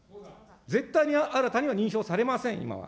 絶対に新たには認証されません、今は。